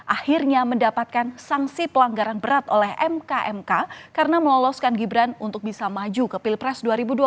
akhirnya mendapatkan sanksi pelanggaran berat oleh mk mk karena meloloskan gibran untuk bisa maju ke pilpres dua ribu dua puluh